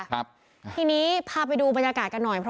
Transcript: ทีนี้พาไปดูบรรยากาศกันหน่อย